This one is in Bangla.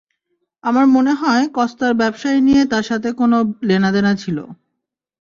আমার মনে হয় কস্তার ব্যাবসা নিয়ে তার সাথে কোন লেনাদেনা ছিলো।